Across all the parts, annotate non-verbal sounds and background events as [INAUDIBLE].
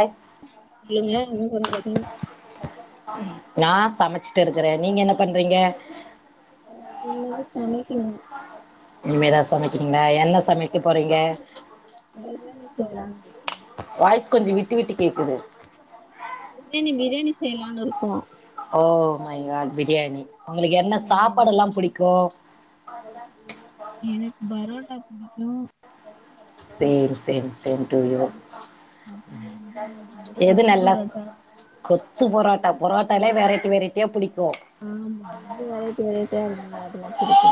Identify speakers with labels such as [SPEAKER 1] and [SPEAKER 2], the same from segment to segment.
[SPEAKER 1] ஐ
[SPEAKER 2] ஆ சொல்லுங்க என்ன பண்றீங்க
[SPEAKER 1] நா சமச்ட்டு இருக்குறே நீங்க என்ன பண்றீங்க
[SPEAKER 2] இனிமேதா சமைக்கனு
[SPEAKER 1] இனிமேதா சமைக்றீங்ளா என்ன சமைக்க போறீங்க
[SPEAKER 2] பிரியாணி செய்யலான்ருக்கே
[SPEAKER 1] விட்டுவிட்டு கேக்குது
[SPEAKER 2] பிரியாணி பிரியாணி செய்யலானு இருக்கோ
[SPEAKER 1] ஓ மைகாட் பிரியாணி உங்களுக்கு என்ன
[SPEAKER 2] ம்
[SPEAKER 1] சாப்பாடெல்லா புடிக்கு அததா நீயு
[SPEAKER 2] எனக்கு பரோட்டா புடிக்கு
[SPEAKER 1] same same same to you
[SPEAKER 2] அப்றோ வந்து
[SPEAKER 1] எது
[SPEAKER 2] கொத்து
[SPEAKER 1] நல்லா
[SPEAKER 2] பரோட்டா
[SPEAKER 1] ஸ் கொத்து பொரோட் டா பொராட்டாலே வெரைட்டி வெரைட்டியா புடிக்கு
[SPEAKER 2] ஆமா அது வெரைட்டி வெரைட்டியா இருந்த அதெல்லா புடிக்கு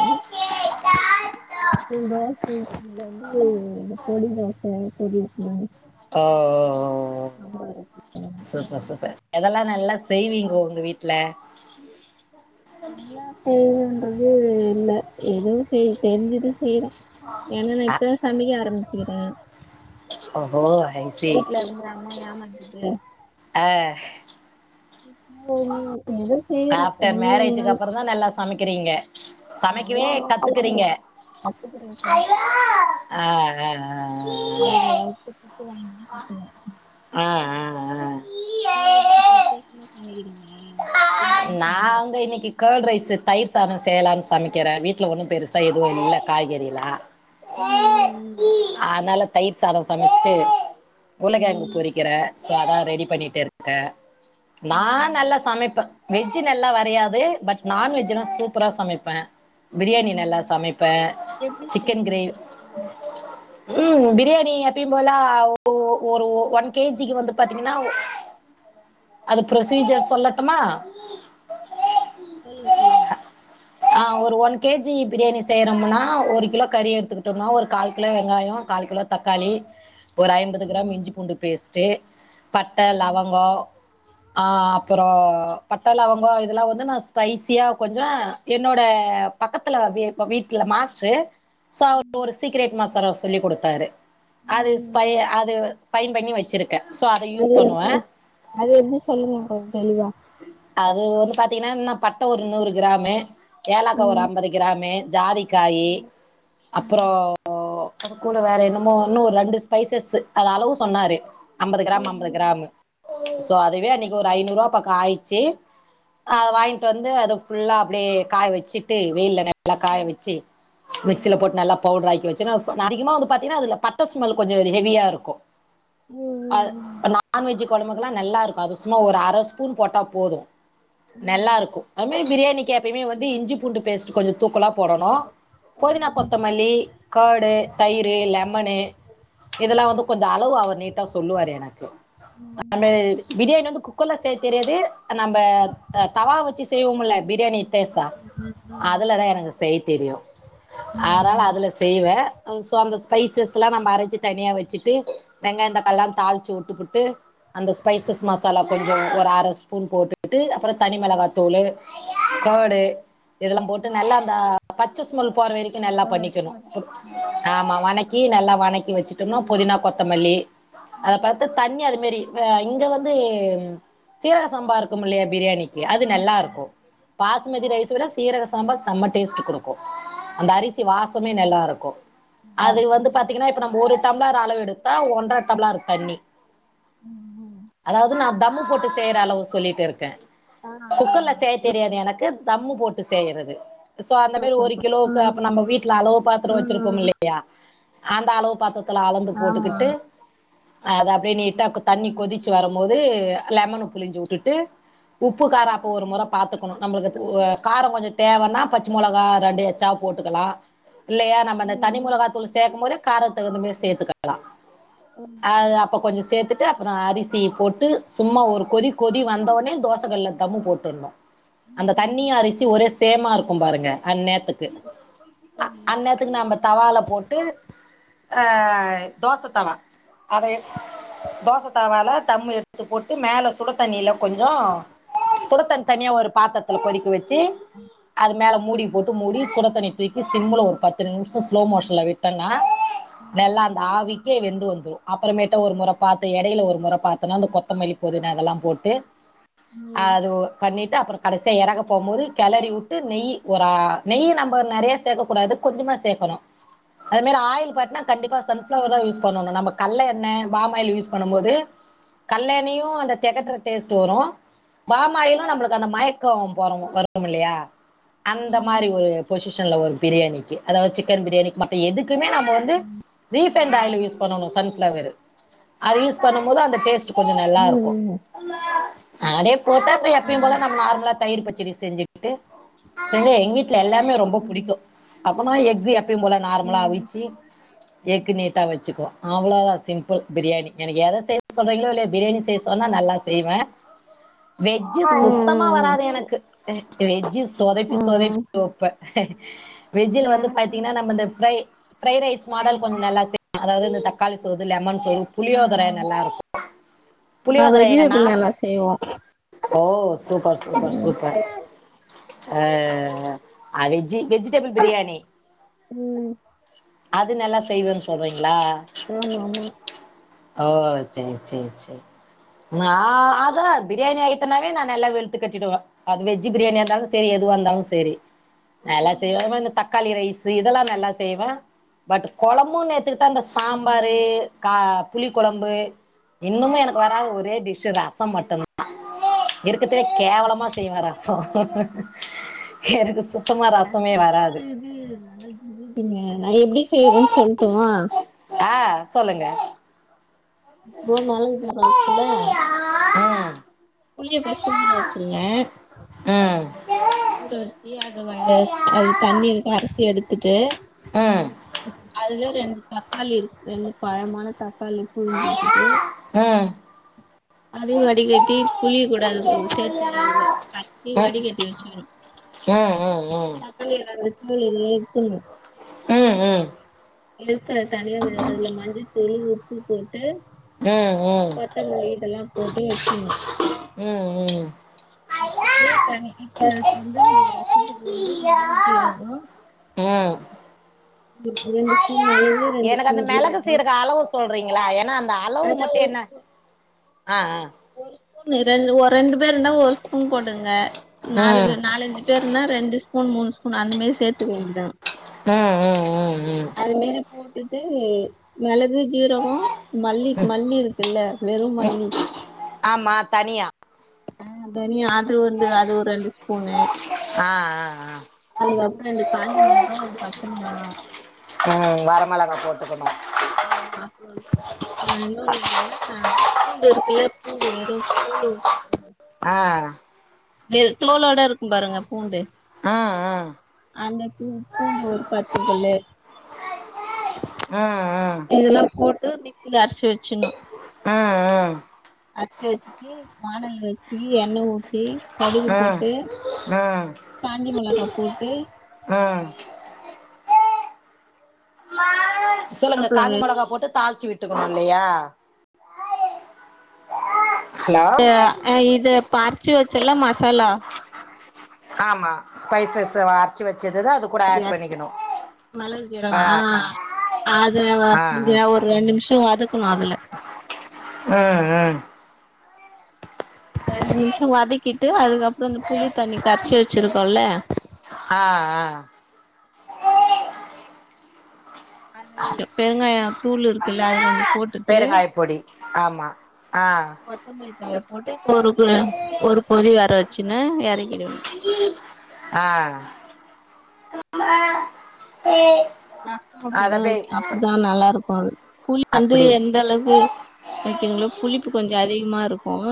[SPEAKER 2] அப்றோ தோச இட்லில வந்து பொடி தோச எனக்கு புடிக்கு
[SPEAKER 1] ஓ ஓ ஓ ஓ சூப்பர் சூப்பர் எதல்லா நல்ல செய்விங்கோ உங்க வீட்ல
[SPEAKER 2] எல்லா செய்னுன்றது இல்ல எதுவு செய் தெரிஞ்சுது செய்றோ ஏனா நா
[SPEAKER 1] அ
[SPEAKER 2] இப்பதா சமைக்க ஆரம்பிச்சிக்கிறே
[SPEAKER 1] ஓஹோ ஐ சி
[SPEAKER 2] வீட்ல இருந்து அம்மா ஏமாத்திகிட்டு
[SPEAKER 1] ஆ
[SPEAKER 2] ஒ ஒ எது
[SPEAKER 1] ஆஃப்டர் மேரேஜுக்கு அப்புறந்தா நல்லா சமைக்கிறிங்க சமைக்கவே
[SPEAKER 2] நல்லாலா சொல்ல
[SPEAKER 1] கத்துக்குறிங்க
[SPEAKER 2] முடியாது கத்துக்குறே
[SPEAKER 1] ஆ
[SPEAKER 2] இப்பதா
[SPEAKER 1] அ
[SPEAKER 2] [UNINTELLIGIBLE]
[SPEAKER 1] அ அ
[SPEAKER 2] நீங்க எப்டி பத்து வருஷமா
[SPEAKER 1] அ
[SPEAKER 2] சமைக்கிறீங்க ஏற்கனவே
[SPEAKER 1] நாங்க
[SPEAKER 2] சமைக்கிறீங்களா
[SPEAKER 1] இன்னைக்கு கர்ட் ரைஸ் தயிர் சாத செய்யலான் சமைக்கிறே வீட்ல ஒண்ணு பெருசா எதுவு இல்ல காய்கறிலா
[SPEAKER 2] ம் ம் ம்
[SPEAKER 1] அதனால தயிர் சாத சமைச்சிட்டு உருளக்கெழங்கு
[SPEAKER 2] ம்
[SPEAKER 1] பொரிக்கிறே அதா ரெடி பண்ணிட்டு இருக்கே நா
[SPEAKER 2] ம்
[SPEAKER 1] நல்லா வெஜ்ஜூ நல்லா வரையாது பட்
[SPEAKER 2] ம்
[SPEAKER 1] நான்வெஜ்ஜல்லா
[SPEAKER 2] ம்
[SPEAKER 1] சூப்பரா சமைப்ப பிரியாணி நல்லா
[SPEAKER 2] ம்
[SPEAKER 1] சமைப்ப
[SPEAKER 2] எப்டி
[SPEAKER 1] சிக்கன் கிரேவ்
[SPEAKER 2] செய்வீங்க
[SPEAKER 1] ம் பிரியாணி எப்பயும் போல ஒ ஒரு ஒன் கே ஜி க்கு வந்து பாத்திங்கனா அது ப்ரொசீஜர் சொல்லட்டுமா
[SPEAKER 2] சொல்லுங்க சொல்லுங்க
[SPEAKER 1] ஆ ஒரு ஒன் கே ஜி பிரியாணி செய்யறம்னா ஒரு கிலோ கறி எடுத்துக்கிட்டம்னா ஒரு கால் கிலோ வெங்காயோ கால் கிலோ தக்காளி ஒரு ஐம்பது கிராம் இஞ்சி பூண்டு பேஸ்ட்டு பட்ட
[SPEAKER 2] ம்
[SPEAKER 1] லவங்கோ ஆ அப்ப றோ பட்ட லவங்கோ இதுலா வந்து நா ஸ்பைசியா கொஞ்ச என்னோட பக்கத்துல வந்து இப்ப வீட்ல மாஸ்ட்ரு சோ அவரு ஒரு சீக்ரெட் மசாலா சொல்லி குடுத்தாரு அது
[SPEAKER 2] ம்
[SPEAKER 1] ஸ்பை
[SPEAKER 2] ம்
[SPEAKER 1] அது ஃபைன் பண்ணி வெச்சிரு
[SPEAKER 2] அது எப்டி அது வந்து சொல்லுங்க கொஞ்ச தெளிவா
[SPEAKER 1] அது வந்து பாத்திங்கனா இன்ன பட்ட ஒரு நூறு கிராமு ஏலாக்கா ஒரு
[SPEAKER 2] ம்
[SPEAKER 1] அம்பது கிராமு ஜாதி க்காயி
[SPEAKER 2] ம் ம்
[SPEAKER 1] அப்பறோ அது கூட வேற என்னமோ இன்னு ஒரு ரெண்டு ஸ்பைசஸ் அது அளவு சொன்னாரு அம்பது
[SPEAKER 2] ம்
[SPEAKER 1] கிராம் அம்பது
[SPEAKER 2] ம்
[SPEAKER 1] கிராமு சோ அதுவே அன்னிக்கு ஒரு ஐநூறுவா பக்க ஆயிச்சி அ
[SPEAKER 2] ம்
[SPEAKER 1] வாய்ன்ட்டு வந்து அது ஃபுல்லா அப்டியே காய வச்சிட்டு வெயில்ல நெ நல்லா
[SPEAKER 2] ம் ம்
[SPEAKER 1] காய
[SPEAKER 2] ம்
[SPEAKER 1] வச்சி
[SPEAKER 2] ம் ம் ம்
[SPEAKER 1] மிக்சில
[SPEAKER 2] ம் ம்
[SPEAKER 1] போட்டு நல்லா பவுடர் ஆக்கி வச் செரி நாஅதிகமா வந்து பாத்தீனா அதுல பட்ட ஸ்மல் கொஞ்ச ஹெவியா இருக்கோ அ ப்ப நான்வெஜ்ஜி கொலம்புக்கலா நல்லாருக்கு அது சும்மா ஒரு அர ஸ் பூண் போட்டா போது நெல்லாருக்கு அதுமேரி பிரியாணிக்கி எப்பெயுமே வந்து இஞ்சி பூண்டு பேஸ்ட் கொஞ்ச தூக்கலா போடணு புதினா கொத்தமல்லி கர்டு தயிரு லெமனு இதுல்லா வந்து கொஞ்ச அளவு அவர் லேட்டா சொல்லுவாரு எனக்கு
[SPEAKER 2] ம்
[SPEAKER 1] [UNINTELLIGIBLE] பிரியாணி வந்து குக்கர்ல செய்ய தெரியாது நம்ப த தவா வச்சி செய்வோமுல்ல பிரியாணி தேசா
[SPEAKER 2] ம் ம் ம்
[SPEAKER 1] அதுலதா எனக்கு செய் தெரியு அதால
[SPEAKER 2] ம்
[SPEAKER 1] அதுல செய்வ சோ அந்த ஸ்பைசஸ்லா நம்ப அரச்சு தனியா வச்சிட்டு வெங்காயந்தக்கால்லா
[SPEAKER 2] ம்
[SPEAKER 1] தாளிச்சு உட்டு புட்டு அந்த ஸ்பைசஸ் மசாலா கொஞ் ஓ ஒரு அர ஸ்பூன் போட்டுட்டு அப்பறோ தனி மெளகாத்தூளு
[SPEAKER 2] ம்
[SPEAKER 1] கர்டு இதுல்லா போட்டு
[SPEAKER 2] ம்
[SPEAKER 1] நல்லா அந்த பச்ச ஸ்மெல் போற வெரிக்கு நல்லா
[SPEAKER 2] ஒரு வரைக்கு
[SPEAKER 1] பண்ணிக்கணு
[SPEAKER 2] அது ஆ
[SPEAKER 1] ஆமா வணக் கி நல்லா வணக்கி வச்சுட்டம்னா புதினா கொத்தமல்லி அத
[SPEAKER 2] ம்
[SPEAKER 1] பாத்து தண்ணி அதமேரி ஆ இங்க வந்து சீரக சம்பா இருக்குமில்லையா பிரியாணிக்கி அது
[SPEAKER 2] ஆமா
[SPEAKER 1] நெல்லா இருக்கு பாசுமதி ரைஸ விட சீரக சம்பா செம்ம டேஸ்ட் குடுக் கு அந்த அரிசி வாசமே நல்லாருக்கு
[SPEAKER 2] நல்லா
[SPEAKER 1] அது வந்து
[SPEAKER 2] இருக்குங்க
[SPEAKER 1] பாத்தீங்கனா இப்ப நம்ப ஒரு டம்ளர் அளவெடுத்தா ஒன்ற டம்ளார் தண்ணி
[SPEAKER 2] ம் ம்
[SPEAKER 1] அதாவது நா தம்மு போட்டு செய்ற அளவு சொல்லிட்டிருக்கே
[SPEAKER 2] ஆ
[SPEAKER 1] குக்கர்ல செய்ய தெரியாது எனக்கு தம்மு போட்டு செய்யறது சோ அந்த மாரி ஒரு கிலோக்கு
[SPEAKER 2] ம்
[SPEAKER 1] அப்ப நம்ம வீட்ல அளவு பாத்ரோ
[SPEAKER 2] ம்
[SPEAKER 1] வச்சிருப்போமில்லையா அந்த அளவு பாத்ர த்துல அளந்து
[SPEAKER 2] ஆமா
[SPEAKER 1] போட்டுகுட்டு அத அப்டியே நீட்டா
[SPEAKER 2] ஆ
[SPEAKER 1] தண்ணி கொதிச்சு வரம் போது லெமன புழிஞ்சு உட்டுட்டு உப்பு காரோ அப்ப ஒரு மொற
[SPEAKER 2] ம்
[SPEAKER 1] பாத்துக்கணு நம்மளுக்கு ஒ காரங் கொஞ்சந் தேவன்னா பச்ச மொளகா ரெண்டு எச்சா போட்டுக்கலா இல்லையா நம்ப அந்த தனி
[SPEAKER 2] ம்
[SPEAKER 1] மொளகாத்தூளு சேக்கும் போதே கார தகுந்தமாரி சேத்துக்கலா
[SPEAKER 2] ம் ம்
[SPEAKER 1] அது அப்ப கொஞ்ச சேத்துட்டு அப்றோ அரிசி போட்டு சும்மா ஒரு கொதி கொதி வந்த ஒட்னே தோசகள்ல தம்மு போட்ரணு
[SPEAKER 2] ம்
[SPEAKER 1] அந்த தண்ணியு அரிசி ஒரே சேமாருக்கும் பாருங்க அந்நேத்துக்கு
[SPEAKER 2] ம் ம் ம் ம்
[SPEAKER 1] அந்நேத்துக்கு நாம்ம தவால போட்டு ஆ தோச தவா அத எ தோச தவால தம்மு எ எத்து போட்டு மேல சுடு தண்ணில கொஞ்சோ சுடுத்தண் தனியா ஒரு பாத்தர்த்ல கொதிக்க வச்சு அது மேல மூடி போட்டு மூடி சுடத் தண்ணி தூக்கி சிம்முல ஒரு பத்து நிம்ஷோ ஸ்லோ மோஷன்ல விட்டன்னா நல்லா அந்த ஆவிக்கே வெந்து வந்துறு அப்பறமேட்டு ஒரு மொற பாத்து எடைல ஒரு மொற தனியா அந்த கொத்தமல்லி புதினா அதெல்லாம் போட்டு
[SPEAKER 2] ம் ம் ம் ம் ம்
[SPEAKER 1] அது ஒ பண்ணி டு அப்பறோ கடசியா எறக்க போகும்போது கெலரி விட்டு நெய் ஒரு அ நெய் நம்ப நெறைய சேக்க கூடாது கொஞ்சமா தா சேக்கணு அது மாரி ஆயில் பாட்னா கண்டிப்பா சன்ஃப்ளவர் தா யூஸ் பண்ணணு நம்ம கல்ல எண்ண பாமாயில் யூஸ் பண்ணம் போது கல்ல எண்ணயு அந்த தெகட்ற டேஸ்ட் வரு பாமாயிலு நம்மளுக்கு அந்த மயக்கோ போறோ வரு இல்லையா அந்த மாரி ஒரு பொசிஷன்ல வரு பிரியாணிக்கி அதாவது சிக்கன் பிரியாணிக்கி மத்த எதுக் குமே நம்ம வந்து ரீஃபைன்ட் ஆயில் யூஸ் பண்ணணு சன் ஃபிளவரு அது யூஸ் பண்ணம் போது அந்த டேஸ்ட் கொஞ்சோ நல்லாருக்கு அடே போட்டா அப்பறோ எப்பயு போல நம்ம நார்மலா தயிர் பச்சடி செஞ்சுட்டு எங்க எங்க வீட்ல எல்லாமே ரொம்ப
[SPEAKER 2] ம் ம்
[SPEAKER 1] புடிக்கு அப்பனா எக்ஸு எப்பயு போல நார்மலா
[SPEAKER 2] ம்
[SPEAKER 1] அவிச்சு எக்கு நீட்டா வச்சுக்குவோ அவ்ளோதா சிம்பிள் பிரியாணி எனக்கு எத சேத்து சொல்றீங்களோ இல்லயோ பிரியாணி செய் சொன்னா நல்லா செய்வே வெஜ்ஜு சுத்தமா வராது எனக்கு வெஜ்ஜு சொதப்பி சொதப்பி
[SPEAKER 2] ம்
[SPEAKER 1] வப்பே வெஜ்ஜுல வந்து
[SPEAKER 2] எனக்கு
[SPEAKER 1] பாத்தீங்கன்னா நம்ம இந்த ஃப்ரை ஃப்ரைட் ரைஸ் மாடல் கொஞ்
[SPEAKER 2] ம்
[SPEAKER 1] நல்லா செய் அதாவது இந்த தக்காளி சோது லெமன் சோறு புளியோதர
[SPEAKER 2] ம்
[SPEAKER 1] நல்லாருக்கு
[SPEAKER 2] நா வெஜுடபுள் நல்லா செய்வோ
[SPEAKER 1] ஓ சூப்பர் சூப்பர்
[SPEAKER 2] ம்
[SPEAKER 1] சூப்பர் அ அ ஆ அ வெஜு வெஜுடபுள் பிரியாணி
[SPEAKER 2] ம்
[SPEAKER 1] அது நல்லா செய்வேனு சொல்றிங்
[SPEAKER 2] ஆமா ஆமா
[SPEAKER 1] ஓ சேர் சேர் சேர் நா அது பிரியாணி ஐட்டன்நாலே நான் எல்லா வெழுத்து கட்டிடுவே அது வெஜ்ஜு பிரியாணியா இருந்தாலு சரி எது வந்தாலு சேரி நல்லா செய்வே வ இந்த தக்காளி ரைஸு இதெல்லாம் நல்லா செய்வே பட் கொழம்பு நே நேத்துக்குத்தா அந்த சாம்பாரு கா புளி கொழம்பு இன்னமு எனக்கு வராத ஒரே டிஷ்ஷு ரச மட்டு தா இரு இருக்கத்துலயே கேவலமா செய்வே ரசோ எனக்கு சுத்தமா ரசமே
[SPEAKER 2] ரசோலா
[SPEAKER 1] வராது
[SPEAKER 2] ஒரு இது [UNINTELLIGIBLE] நா எப்டி செய்வேன்னு சொல்ட்டுமா
[SPEAKER 1] ஆ சொல்லுங்க
[SPEAKER 2] [UNINTELLIGIBLE]
[SPEAKER 1] ஆ
[SPEAKER 2] புளிய ஃபஸ்டு ஊர வச்சுருங்க
[SPEAKER 1] ம்
[SPEAKER 2] ஊற வச்சி அத அது தண்ணி அரைசி எடுத்துட்டு அதுதான் ரெண்டு தக்காளி இருக்கு ரெண்டு பழமான தக்கா களி புழிஞ்சுட்டு அதையும் வடிகட்டி புளிய கூடா அது சேர்த்து காச்சி வடிகட்டி வச்சுக்கணும்
[SPEAKER 1] அ அ அ
[SPEAKER 2] [UNINTELLIGIBLE]
[SPEAKER 1] ம் ம்
[SPEAKER 2] எடுக்கற தனியா அதுல மஞ்சத்தூளு உப்பு போட்டு
[SPEAKER 1] ம்
[SPEAKER 2] கொட்டங்களி இதெல்லாம் போட்டு வச்சரணு
[SPEAKER 1] ம் ம்
[SPEAKER 2] [UNINTELLIGIBLE] மிளகு சீரகம்
[SPEAKER 1] அ
[SPEAKER 2] [UNINTELLIGIBLE] ரெண்டு
[SPEAKER 1] எனக்கு அந்த
[SPEAKER 2] ஸ்பூன்
[SPEAKER 1] மிளகு
[SPEAKER 2] ஜீரகோ
[SPEAKER 1] சீரக அளவு சொல்றீங்களா ஏன்னா அந்த அளவு
[SPEAKER 2] அதா
[SPEAKER 1] மட்டும்
[SPEAKER 2] ஒரு
[SPEAKER 1] என்ன
[SPEAKER 2] ஸ்பூன்
[SPEAKER 1] ஆ ஆ
[SPEAKER 2] ஒரு ஸ்பூன் ரெ ஒரு ரெண்டு பேர் இருந்தா ஒரு ஸ்பூன் போட்டுங்க நாலு
[SPEAKER 1] ம்
[SPEAKER 2] நாலஞ்சு பேருனா ரெண்டு ஸ்பூன் மூணு ஸ்பூன் அந்த மாரி சேர்த்துக்க வேண்டிதான்
[SPEAKER 1] உஹம் உஹம் உஹம் உம்
[SPEAKER 2] போட்டுட்டு மிளகு சீரகம் மல்லிக்கு மல்லி இருக்குல்ல வெறும்மல்லி
[SPEAKER 1] ஆமா தனியா
[SPEAKER 2] அ தனியா அது வந்து அது ஒரு ரெண்டு ஸ்பூன்னு
[SPEAKER 1] ஆ ஆ ஆ
[SPEAKER 2] அதுக்கப்பறம் ரெண்டு காஞ்ச மிளக ஒரு பச்சை மிளக
[SPEAKER 1] ம் வரமிளக போட்டுக்கன்னும்
[SPEAKER 2] ஆ [UNINTELLIGIBLE] இன்னொண்ணு என்னனா பூண்டு இருக்குல்ல பூண்டு வெறும் பூண்டு
[SPEAKER 1] ஆ
[SPEAKER 2] தோளோடா இருக்கும் பாருங்க பூண்டு
[SPEAKER 1] ம் ம் ம்
[SPEAKER 2] அந்த பூ பூண்டு ஒரு பத்து பல்லு
[SPEAKER 1] ம் ம்
[SPEAKER 2] இதெல்லாம் போட்டு மிக்சியில அரைச்சு வச்சணும்
[SPEAKER 1] ஆ ஆ
[SPEAKER 2] அரச்சி வச்சுட்டு வானல் வச்சி எண்ணைய ஊத் தி கடுகு
[SPEAKER 1] ம்
[SPEAKER 2] போட்டு
[SPEAKER 1] ம்
[SPEAKER 2] காஞ்ச மிளகா போட்டு
[SPEAKER 1] ஆ சொல்லுங்க
[SPEAKER 2] கருவேப்பில
[SPEAKER 1] காஞ்ச
[SPEAKER 2] வே
[SPEAKER 1] மிளகா போட்டு தாளிச்சி விட்டுக்கணும் இல்லையா ஹலோ
[SPEAKER 2] இத அரைச்சு வச்ச இல்ல மசாலா
[SPEAKER 1] ஆமா ஸ்பைசஸ் அரைச்சு வச்சதுதான் அது கூட ஆட் பண்ணிக்கணும்
[SPEAKER 2] மிளகு சீரகம் ஆ அது
[SPEAKER 1] ஆ
[SPEAKER 2] வந்து
[SPEAKER 1] ஆ
[SPEAKER 2] ஒரு ரெண்டு நிமிஷம் வதக்கணும் அதுல
[SPEAKER 1] ம் ம்
[SPEAKER 2] ரெண்டு நிமிஷம் வதக்கிட்டு அதுக்கப்புறம் இந்த புளி தண்ணி கரைச்சு வச்சிருக்
[SPEAKER 1] ஆ ஆ
[SPEAKER 2] அது பெருங்காயம் தூள் இருக்குல்ல அத கொஞ்சம் போட்டுட்டு
[SPEAKER 1] பெருங்காய பொடி ஆமா ஆ
[SPEAKER 2] கொத்தமல்லி போட்டு ஒரு கு ஒரு கொதி வர வச்சுன்னு இறக்கிடன்னும்
[SPEAKER 1] ஆ
[SPEAKER 2] நம்
[SPEAKER 1] அது
[SPEAKER 2] அப்படிதான் வ
[SPEAKER 1] அப்டியே
[SPEAKER 2] அப்படிதான் நல்லா இருக்கும் அது புளி வந்து
[SPEAKER 1] அப்டி
[SPEAKER 2] எந்த அளவு வைக்கிறீங்களோ புளிப்பு கொஞ்சம் அதிகமா இருக்கும்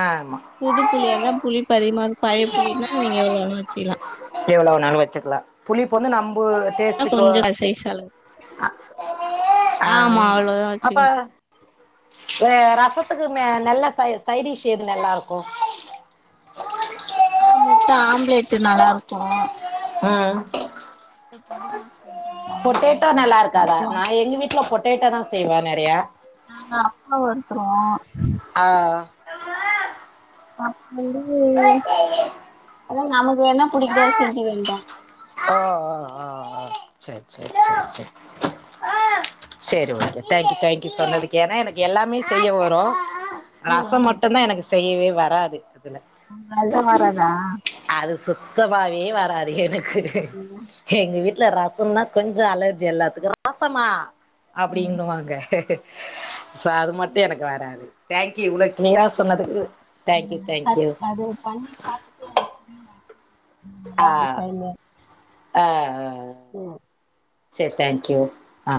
[SPEAKER 1] ஆமா
[SPEAKER 2] புது புளியா இருந்த புளிப்பு அதிகமா இருக் பழைய புளினா நீங்க எவ்ளோ வேனா வச்சிகலா
[SPEAKER 1] க்கல புளிப்பு வந்து நம்போ டேஸ்டுக்கு
[SPEAKER 2] கொஞ்சோ சைஸ் அளவு
[SPEAKER 1] ஆ
[SPEAKER 2] ஆமா அவ்ளோதா
[SPEAKER 1] அப்ப
[SPEAKER 2] வச்சுக்கணு
[SPEAKER 1] ரசத்துக்கு மே நல்ல ச சைடிஷ் எது நல்லாருக்கு
[SPEAKER 2] ஆ முட்ட ஆம்லேட்டு நல்லாருக்கு
[SPEAKER 1] அ
[SPEAKER 2] பொடிமாஸ்
[SPEAKER 1] பொட்டேட்டோ நல்லா இருக்காதா நா எங்க வீட்ல பொட்டேட்டோ தா செய்வே நெறையா
[SPEAKER 2] நாங்க அப்ளோ வறுத்தோ
[SPEAKER 1] ஆ
[SPEAKER 2] அப்ப வந்து அதா நமக்கு என்ன புடிக்குதே அத செஞ்சு வைன்டா
[SPEAKER 1] சேர் சேர் சேர் சேர் சேரி ஓகே தேங்க்யூ தேங்க்யூ சொன்னதுக்கு ஏனா எனக்கு எல்லாமே செய்ய வரு ரசோ மட்டு தா எனக்கு செய்யவே வராது
[SPEAKER 2] அதா வராதா
[SPEAKER 1] அது சுத் தமாவே வராது எனக்கு எங்க வீட் ல ரசோனா கொஞ்சோ அலர்ஜி எல்லாத்துக்கு ரசமா அப்டின்னு வாங்க சோ அது மட்டு எனக்கு வராது தேங்க்யூ இவ்ளோ கிளியரா சொன்னதுக்கு தேங்க்யூ
[SPEAKER 2] ம் தா
[SPEAKER 1] தேங்க்யூ
[SPEAKER 2] அது பண்ணி பாத்துட்டு எனக் நல்லா
[SPEAKER 1] ஆ
[SPEAKER 2] இருந்தசாங்க
[SPEAKER 1] ஆ
[SPEAKER 2] சோ
[SPEAKER 1] செரி தேங்க்யூ ஆ